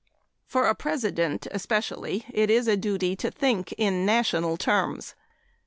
For a President especially it is a duty to think in national terms.